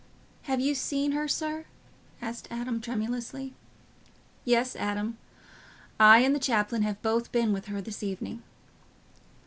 "Have you seen her, sir?" said Adam tremulously. "Yes, Adam; I and the chaplain have both been with her this evening."